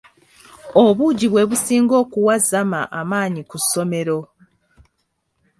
Obuugi bwe businga okuwa Zama amaanyi ku ssomero.